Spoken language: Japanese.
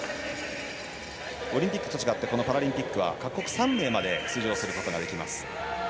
オリンピックと違ってパラリンピックは各国３名まで出場することができます。